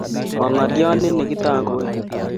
ma ngolyot ni negitangoe